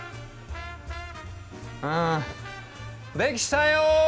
うんできたよ！